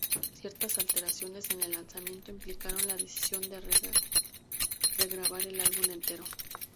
Ciertas alteraciones en el lanzamiento implicaron la decisión de re-grabar el álbum entero.